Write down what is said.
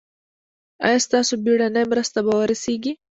ایا ستاسو بیړنۍ مرسته به ورسیږي؟